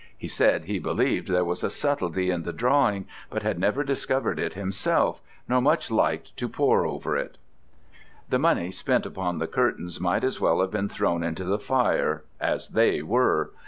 He said he believ'd there was a subtlety in the drawing, but had never discover'd it himself, nor much liked to pore upon it." The money spent upon the curtains might as well have been thrown into the fire, as they were.